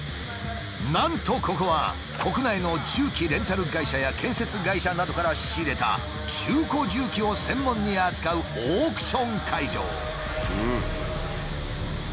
なんとここは国内の重機レンタル会社や建設会社などから仕入れた中古重機を専門に扱うオークション会場。